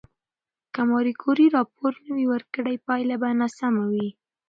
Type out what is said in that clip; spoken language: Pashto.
که ماري کوري راپور نه ورکړي، پایله به ناسم وي.